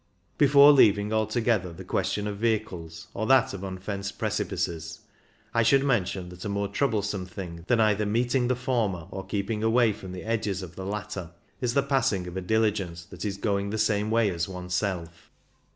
Before leaving altogether the question of vehicles, or that of unfenced precipices, I should mention that a more troublesome thing than either meeting the former or keeping away from the edges of the latter is the passing of a diligence that is going the same way as one's self.